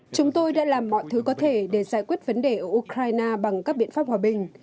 chúng tôi đã làm mọi thứ có thể để giải quyết vấn đề ở ukraine bằng các biện pháp hòa bình